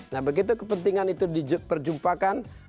nah begitu kepentingan itu diperjumpakan